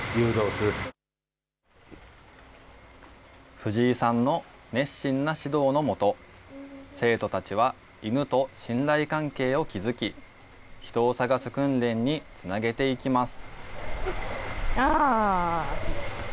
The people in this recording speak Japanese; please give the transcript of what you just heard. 藤井さんの熱心な指導の下、生徒たちは犬と信頼関係を築き、人を探す訓練につなげていきます。